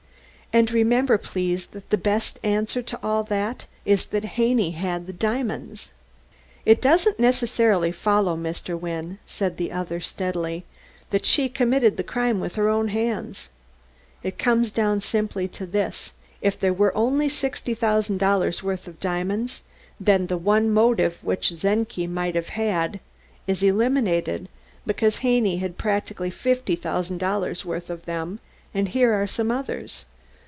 "And remember, please, that the best answer to all that is that Haney had the diamonds!" "It doesn't necessarily follow, Mr. Wynne," said the other steadily, "that she committed the crime with her own hands. It comes down simply to this: If there were only sixty thousand dollars' worth of diamonds then the one motive which Czenki might have had is eliminated; because Haney had practically fifty thousand dollars' worth of them, and here are some others.